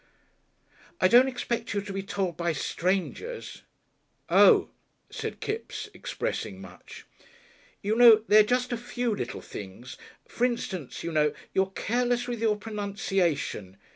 "I don't expect you to be told by strangers." "Oo!" said Kipps, expressing much. "You know, there are just a few little things. For instance, you know, you are careless with your pronunciation....